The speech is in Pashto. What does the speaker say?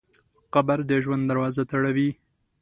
قبر د ژوند دروازه تړوي.